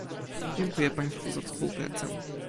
Dziękuję państwu za współpracę